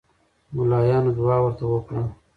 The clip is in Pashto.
ملاینو دعا ورته وکړه.